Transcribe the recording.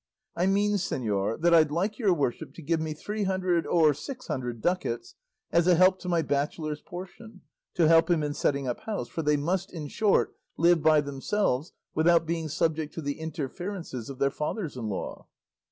I mean, señor, that I'd like your worship to give me three hundred or six hundred ducats as a help to my bachelor's portion, to help him in setting up house; for they must, in short, live by themselves, without being subject to the interferences of their fathers in law."